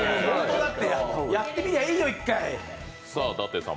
やってみりゃいいよ、一回。